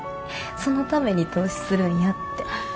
そのために投資するんやって。